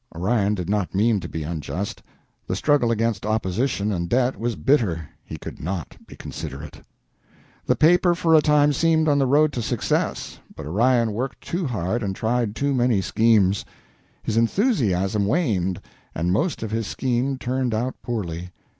Orion did not mean to be unjust. The struggle against opposition and debt was bitter. He could not be considerate. The paper for a time seemed on the road to success, but Orion worked too hard and tried too many schemes. His enthusiasm waned and most of his schemes turned out poorly.